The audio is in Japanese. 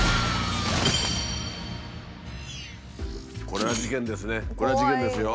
これは事件ですよ。